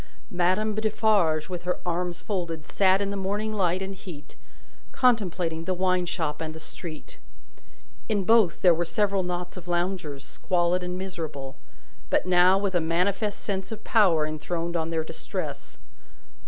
Madame Defarge, with her arms folded, sat in the morning light and heat, contemplating the wine shop and the street. In both, there were several knots of loungers, squalid and miserable, but now with a manifest sense of power enthroned on their distress.